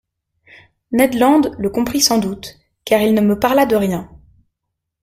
Ned Land le comprit sans doute, car il ne me parla de rien.